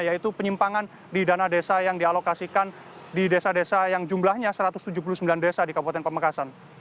yaitu penyimpangan di dana desa yang dialokasikan di desa desa yang jumlahnya satu ratus tujuh puluh sembilan desa di kabupaten pamekasan